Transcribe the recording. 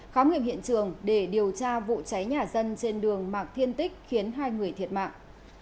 khám nghiệm hiện trường để điều tra vụ cháy nhà dân trên đường mạc thiên tích khiến hai người thiệt mạng